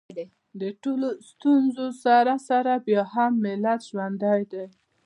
د دې ټولو ستونزو سره سره بیا هم ملت ژوندی دی